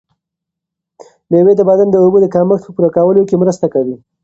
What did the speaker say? مېوې د بدن د اوبو د کمښت په پوره کولو کې مرسته کوي.